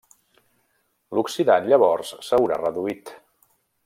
L'oxidant, llavors, s'haurà reduït.